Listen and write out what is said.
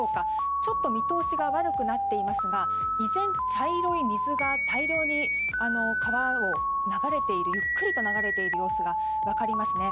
ちょっと見通しが悪くなっていますが依然、茶色い水が大量に、川にゆっくりと流れている様子が分かりますね。